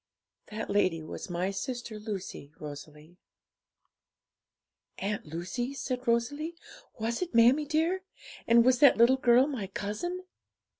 'That lady was my sister Lucy, Rosalie.' 'Aunt Lucy?' said Rosalie; 'was it, mammie dear? And was that little girl my cousin?'